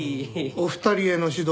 お二人への指導